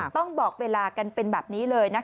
ต้องบอกเวลากันเป็นแบบนี้เลยนะคะ